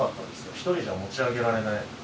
１人じゃ持ち上げられない。